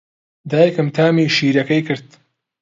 دایکم تامی شیرەکەی کرد.